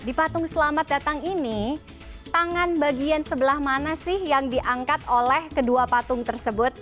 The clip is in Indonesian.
di patung selamat datang ini tangan bagian sebelah mana sih yang diangkat oleh kedua patung tersebut